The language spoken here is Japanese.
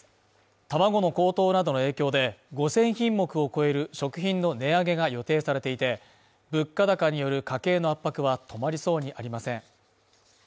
卵の高騰などの影響で、５０００品目を超える食品の値上げが予定されていて、物価高による家計の圧迫は止まりそうにありません。